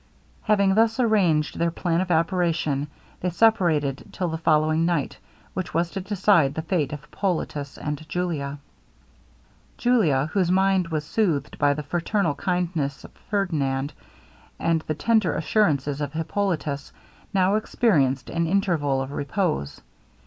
Having thus arranged their plan of operation, they separated till the following night, which was to decide the fate of Hippolitus and Julia. Julia, whose mind was soothed by the fraternal kindness of Ferdinand, and the tender assurances of Hippolitus, now experienced an interval of repose.